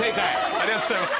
ありがとうございます。